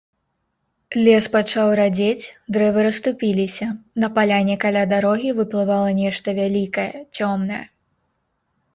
Лес пачаў радзець, дрэвы расступіліся, на паляне каля дарогі выплывала нешта вялікае, цёмнае.